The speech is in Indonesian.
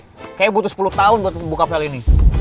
kayaknya butuh sepuluh tahun buat buka fall ini